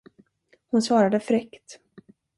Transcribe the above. Hon svarade fräckt.